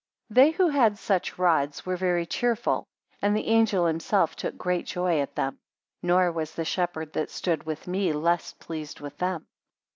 12 They who had such rods, were very cheerful; and the angel himself took great joy at them; nor was the shepherd that stood with me, less pleased with them.